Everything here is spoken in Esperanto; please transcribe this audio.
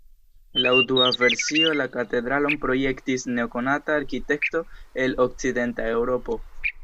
Laŭ dua versio la katedralon projektis nekonata arkitekto el Okcidenta Eŭropo.